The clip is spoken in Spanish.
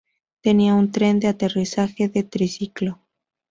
Tenía un tren de aterrizaje de triciclo.